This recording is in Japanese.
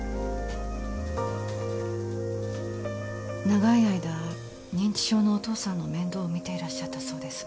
長い間認知症のお父さんの面倒を見ていらっしゃったそうです。